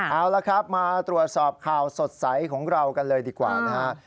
เอาละครับมาตรวจสอบข่าวสดใสของเรากันเลยดีกว่านะฮะ